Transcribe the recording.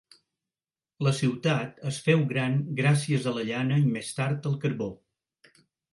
La ciutat es féu gran gràcies a la llana i més tard el carbó.